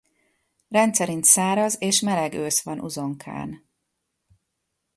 Rendszerint száraz és meleg ősz van Uzonkán.